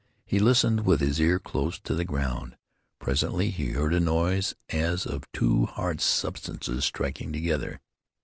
He listened with his ear close to the ground. Presently he heard a noise as of two hard substances striking together.